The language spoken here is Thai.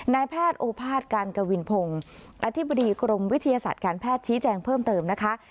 นายแพทย์โอภาษย์การกวินพงศ์อธิบดีกรมวิทยาศาสตร์การแพทย์ชี้แจงเพิ่มเติมนะคะ